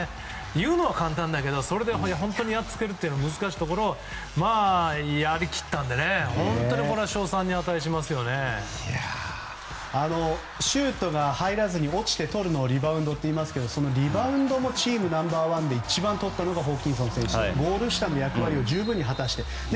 言うのは簡単だけど実際にやるのは難しいところをやり切ったのでシュートが入らずに落ちて取るのをリバウンドといいますがそのリバウンドもチームナンバー１で一番とったのがホーキンソン選手でゴール下の役割を十分に果たしていると。